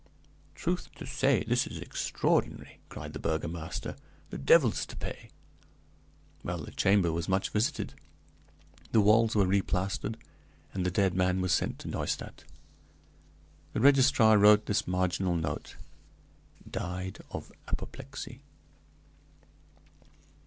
"'Truth to say, this is extraordinary!' cried the burgomaster; 'the devil's to pay.' Well, the chamber was much visited; the walls were replastered, and the dead man was sent to Neustadt. "The registrar wrote this marginal note: "'Died of apoplexy.'